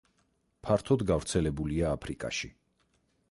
ფართოდ გავრცელებულია აფრიკაში.